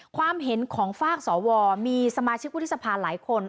ความเห็นของฝากสวมีสมาชิกวุฒิสภาหลายคน